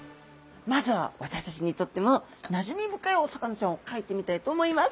まずは私たちにとってもなじみ深いお魚ちゃんを描いてみたいと思います。